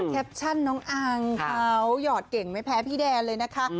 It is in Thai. แคปชั่นน้องอังเขาหยอดเก่งไม่แพ้พี่แดนเลยนะคะ